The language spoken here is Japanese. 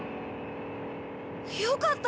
よかった！